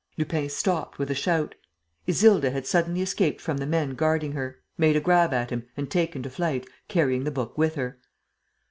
Lupin stopped, with a shout. Isilda had suddenly escaped from the men guarding her, made a grab at him and taken to flight, carrying the book with her.